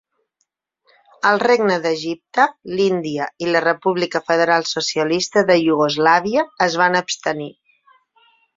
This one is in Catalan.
El Regne d'Egipte, l'Índia i la República Federal Socialista de Iugoslàvia es van abstenir.